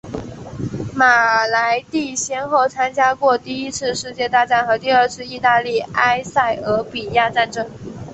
马莱蒂先后参加过第一次世界大战和第二次意大利埃塞俄比亚战争。